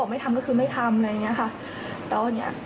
กำแพงหนึ่งอีกห้องนึง